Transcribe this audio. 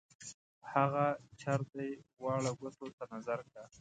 هغه چر دی واړه ګوتو ته نظر کا.